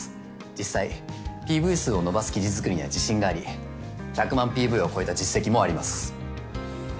実際ＰＶ数を伸ばす記事作りには自信があり１００万ＰＶを超えた実績もあります。